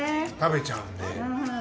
食べちゃうんで。